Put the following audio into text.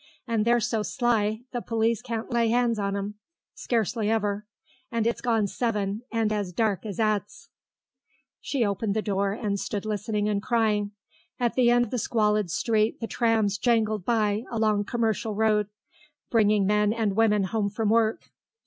And they're so sly, the police can't lay 'ands on them, scarcely ever.... And it's gone seven, and as dark as 'ats." She opened the door and stood listening and crying. At the end of the squalid street the trams jangled by along Commercial Road, bringing men and women home from work.